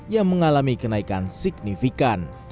yang mengalami kenaikan signifikan